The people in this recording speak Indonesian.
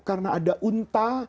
karena ada unta